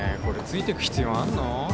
これついてく必要あんの？